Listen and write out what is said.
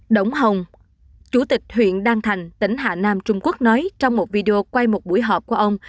đỗng hồng chủ tịch huyện đan thành tỉnh hà nam trung quốc nói trong một video quay một buổi họp của ông